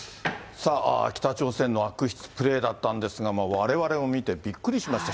さあ、北朝鮮の悪質プレーだったんですが、われわれも見てびっくりしました。